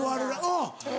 うん。